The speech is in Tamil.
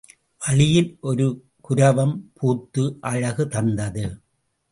வழியில் ஒரு குரவம் பூத்து அழகு தந்தது.